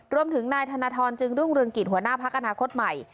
รวมถึงนายธนทรจึงรุ่งเรืองกิจหัวหน้าพักอนาคตใหม่